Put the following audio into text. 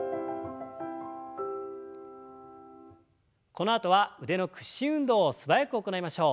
このあとは腕の屈伸運動を素早く行いましょう。